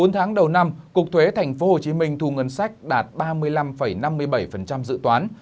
bốn tháng đầu năm cục thuế tp hcm thu ngân sách đạt ba mươi năm năm mươi bảy dự toán